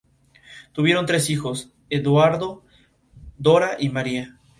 Tuvieron tres hijos, Edoardo, Dora y María.